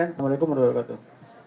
waalaikum warahmatullahi wabarakatuh